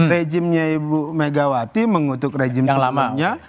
rejimnya ibu megawati mengutuk rejim selanjutnya